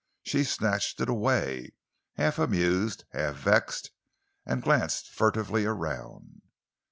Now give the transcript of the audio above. She snatched it away, half amused, half vexed, and glanced furtively around.